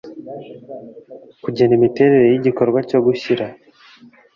kugena imiterere y igikorwa cyo gushyira